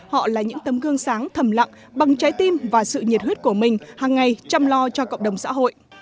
họ là những tấm gương sáng thầm lặng bằng trái tim và sự nhiệt huyết của mình hằng ngày chăm lo cho cộng đồng xã hội